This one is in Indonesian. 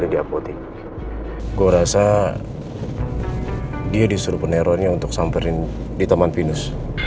dia disuruh peneronya untuk samperin di teman pinus